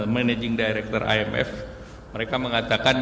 managing director imf mereka mengatakan